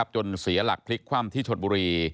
จนเสียหลักพลิกคว่ำที่ชนบุรี